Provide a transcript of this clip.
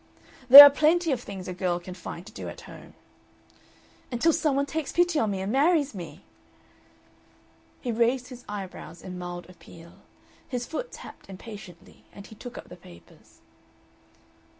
"There are plenty of things a girl can find to do at home." "Until some one takes pity on me and marries me?" He raised his eyebrows in mild appeal. His foot tapped impatiently, and he took up the papers.